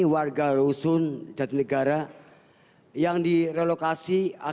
pasung nomor pekerja